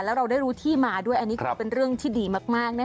แล้วเราได้รู้ที่มาด้วยอันนี้คือเป็นเรื่องที่ดีมากนะคะ